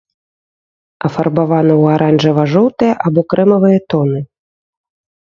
Афарбавана ў аранжава-жоўтыя або крэмавыя тоны.